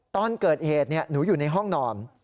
ตอนเกิดเหตุหนูอยู่ในห้องนอน